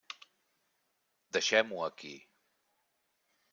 Deixem-ho aquí.